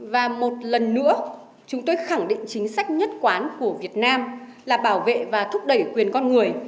và một lần nữa chúng tôi khẳng định chính sách nhất quán của việt nam là bảo vệ và thúc đẩy quyền con người